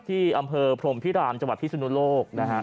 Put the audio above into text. ที่อำเภอพรมพิรามจังหวัดพิศนุโลกนะฮะ